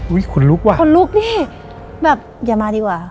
ขนลุกว่ะขนลุกนี่แบบอย่ามาดีกว่า